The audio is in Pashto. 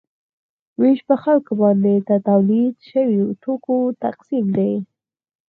ویش په خلکو باندې د تولید شویو توکو تقسیم دی.